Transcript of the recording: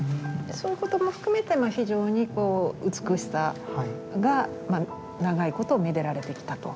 そういうことも含めて非常に美しさが長いことめでられてきたと。